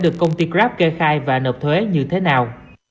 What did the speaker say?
được công ty grab kê khai và nộp thuế như thế nào